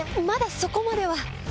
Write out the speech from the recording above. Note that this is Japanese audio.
まだそこまでは。